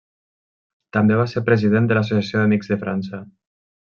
També va ser president de l'Associació d'Amics de França.